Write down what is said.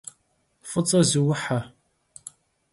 F'ıç'e zıuhe!